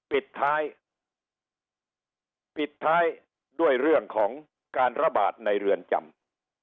ปิดท้ายปิดท้ายด้วยเรื่องของการระบาดในเรือนจำ